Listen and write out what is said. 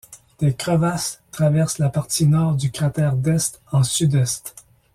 Des crevasses traversent la partie nord du cratère d'Est en sud-est.